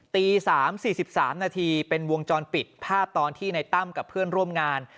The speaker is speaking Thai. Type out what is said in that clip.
ตี๓๔๓นาทีเป็นวงจรปิดภาพตอนที่ในตั้มกับเพื่อนร่วมงาน